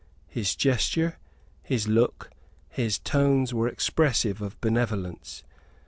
His gesture, his look, his tones were expressive of benevolence.